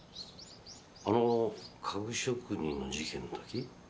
あの家具職人の事件の時？